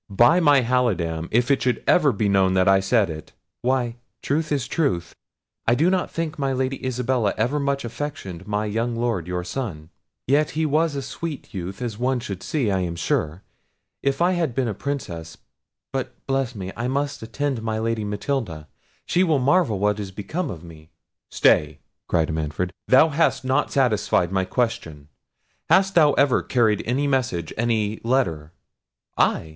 "By my halidame, if it should ever be known that I said it—" "Why, truth is truth, I do not think my Lady Isabella ever much affectioned my young Lord your son; yet he was a sweet youth as one should see; I am sure, if I had been a Princess—but bless me! I must attend my Lady Matilda; she will marvel what is become of me." "Stay," cried Manfred; "thou hast not satisfied my question. Hast thou ever carried any message, any letter?" "I!